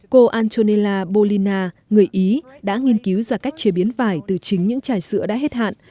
cô antonella bolina người ý đã nghiên cứu ra cách chế biến vải từ chính những chải sữa đã hết hạn